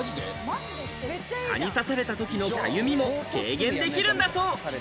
蚊に刺されたときのかゆみも軽減できるんだそう。